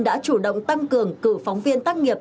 đã chủ động tăng cường cử phóng viên tác nghiệp